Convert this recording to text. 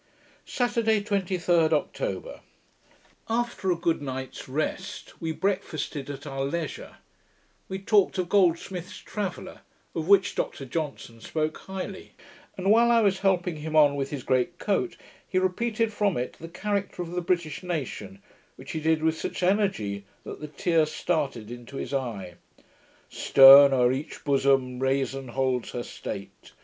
Saturday, 23d October After a good night's rest, we breakfasted at our leisure. We talked of Goldsmith's Traveller, of which Dr Johnson spoke highly; and, while I was helping him on with his great coat, he repeated from it the character of the British nation, which he did with such energy, that the tear started into his eye: '"Stern o'er each bosom reason holds her state.